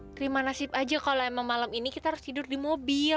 terima nasib aja kalau emang malam ini kita harus tidur di mobil